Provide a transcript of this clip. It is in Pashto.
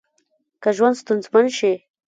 که ژوند ستونزمن شي